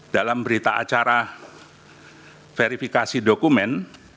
dalam berita acara verifikasi dokumen